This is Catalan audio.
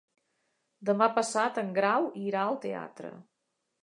Demà passat en Grau irà al teatre.